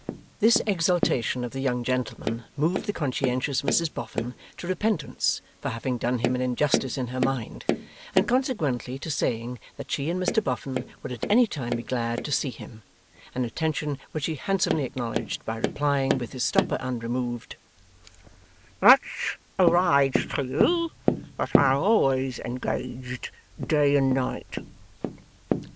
This exaltation of the young gentleman moved the conscientious Mrs Boffin to repentance for having done him an injustice in her mind, and consequently to saying that she and Mr Boffin would at any time be glad to see him; an attention which he handsomely acknowledged by replying, with his stopper unremoved, 'Much obliged to you, but I'm always engaged, day and night.